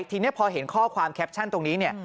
ทีนี้พอเห็นข้อความแคปชั่นตรงนี้เนี่ย